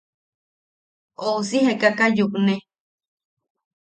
Ousi jekaka yukne.